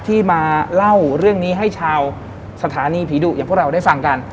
ที่มาเล่าเรื่องนี้ให้ชาวสถานีผีดุอย่างพวกเราได้ฟังกัน